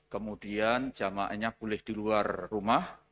kemudian jamaahnya boleh di luar rumah